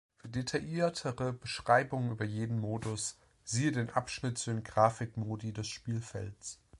Für detailliertere Beschreibungen über jeden Modus siehe den Abschnitt zu den Graphik-Modi des Spielfelds.